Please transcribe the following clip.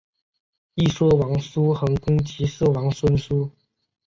一说王叔桓公即是王孙苏。